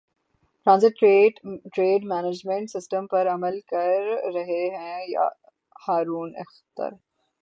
transit trade management system پر عمل کر رہے ہیں ہارون اختر